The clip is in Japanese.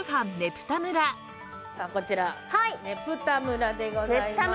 さあこちらねぷた村でございます。